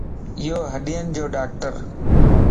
ايو ھڏين جو ڊاڪٽرَ